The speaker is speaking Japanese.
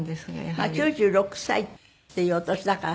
９６歳っていうお年だから。